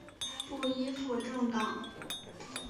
不依附政党！